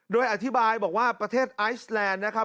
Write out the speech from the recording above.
โดยอธิบายบอกว่าประเทศไอซแลนด์นะครับ